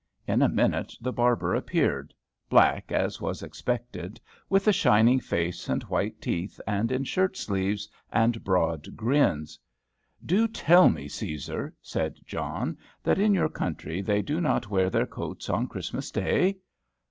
In a minute the barber appeared, black, as was expected, with a shining face, and white teeth, and in shirt sleeves, and broad grins. "Do you tell me, Cæsar," said John, "that in your country they do not wear their coats on Christmas day?"